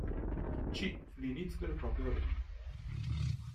C. l'inizio del proprio regno.